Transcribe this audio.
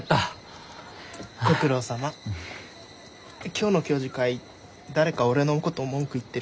今日の教授会誰か俺のこと文句言ってる人いた？